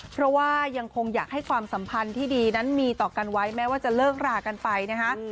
เพราะว่ายังคงอยากให้ความสัมพันธ์ที่ดีนั้นมีต่อกันไว้แม้ว่าจะเลิกรากันไปนะคะ